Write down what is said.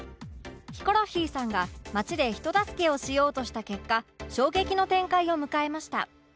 ヒコロヒーさんが街で人助けをしようとした結果衝撃の展開を迎えました